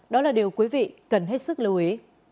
đó là điều quý vị cần hết sức lưu ý